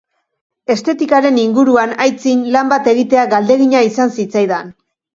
Estetikaren inguruan aitzin lan bat egitea galdegina izan zitzaidan.